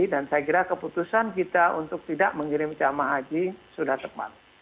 dan saya kira keputusan kita untuk tidak mengirim jamaah haji sudah tepat